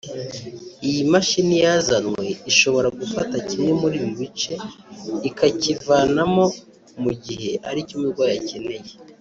Iyi mashini yazanywe ishobora gufata kimwe muri ibi bice ikakivanamo mu gihe aricyo umurwayi akeneye